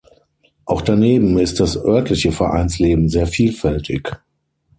Auch daneben ist das örtliche Vereinsleben sehr vielfältig.